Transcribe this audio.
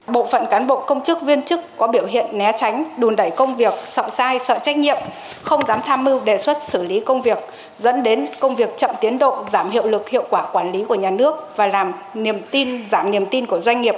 bộ phận cán bộ công chức viên chức có biểu hiện né tránh đùn đẩy công việc sợ sai sợ trách nhiệm không dám tham mưu đề xuất xử lý công việc dẫn đến công việc chậm tiến độ giảm hiệu lực hiệu quả quản lý của nhà nước và làm niềm tin giảm niềm tin của doanh nghiệp